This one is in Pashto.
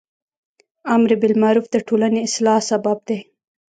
امر بالمعروف د ټولنی اصلاح سبب دی.